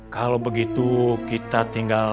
kalau begitu kita tinggal